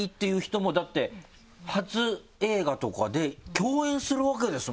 だって初映画とかで共演するわけですもんね。